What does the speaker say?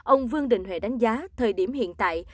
ông vương đình huệ đánh giá thời điểm hiện tại